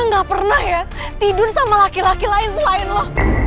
gue gak pernah ya tidur sama laki laki lain selain lo